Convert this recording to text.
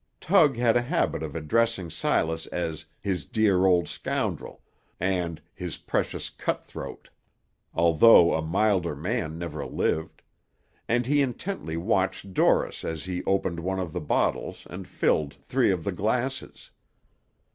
Tug had a habit of addressing Silas as "his dear old scoundrel," and "his precious cut throat," although a milder man never lived; and he intently watched Dorris as he opened one of the bottles and filled three of the glasses.